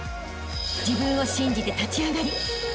［自分を信じて立ち上がりあしたへ